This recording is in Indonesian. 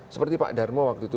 seperti pak darmo waktu itu